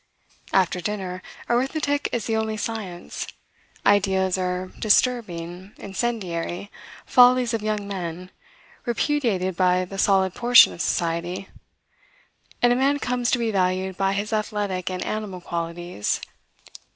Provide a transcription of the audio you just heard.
After dinner, arithmetic is the only science; ideas are disturbing, incendiary, follies of young men, repudiated by the solid portion of society; and a man comes to be valued by his athletic and animal qualities.